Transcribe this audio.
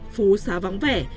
phố xá vắng vẻ